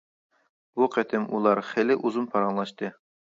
بۇ قېتىم ئۇلار خېلى ئۇزۇن پاراڭلاشتى.